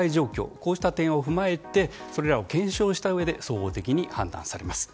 こうした点を踏まえてそれらを検証したうえで総合的に判断されます。